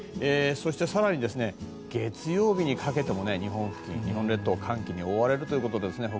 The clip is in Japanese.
そして、更に月曜日にかけても日本列島寒気に覆われるということです。